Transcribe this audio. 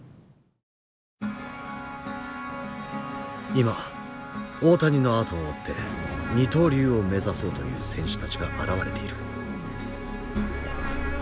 今大谷のあとを追って二刀流を目指そうという選手たちが現れている。